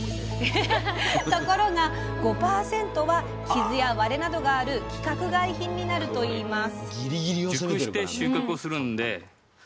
ところが５％は傷や割れなどがある規格外品になるといいます。